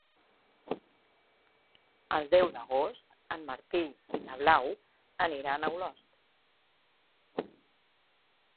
El deu d'agost en Martí i na Blau aniran a Olost.